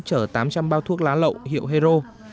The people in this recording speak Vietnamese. chở tám trăm linh bao thuốc lá lậu hiệu hero